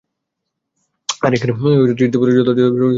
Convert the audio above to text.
চিঠিতে বলা হয়, যথাযথ প্রস্তুতি ছাড়াই তখন প্রকল্পটি হাতে নেওয়া হয়।